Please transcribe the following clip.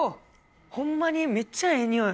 ホンマにめっちゃええにおい。